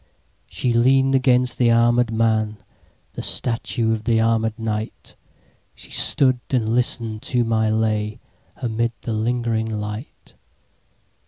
She lean'd against the armèd man, The statue of the armèd knight; She stood and listen'd to my lay, Amid the lingering light.